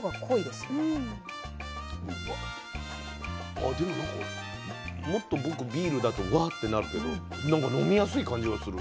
ああでもなんかもっと僕ビールだとワッてなるけどなんか飲みやすい感じがする。